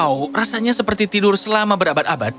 oh rasanya seperti tidur selama berabad abad